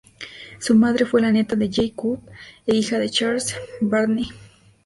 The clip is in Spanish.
Su madre fue la nieta de Jay Cooke e hija de Charles D. Barney.